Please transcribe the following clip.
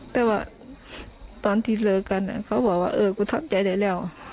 แต่ว่าตอนที่เลิกกันเขาบอกว่าเออกูทำใจได้แล้ว